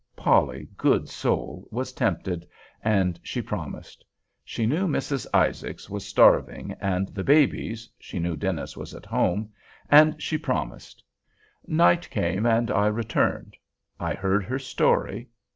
Polly, good soul! was tempted, and she promised. She knew Mrs. Isaacs was starving, and the babies—she knew Dennis was at home—and she promised! Night came, and I returned. I heard her story.